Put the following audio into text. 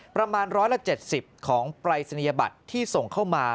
ประมาณ๑๗๐ของปรายศนียบัตรที่ส่งเข้ามา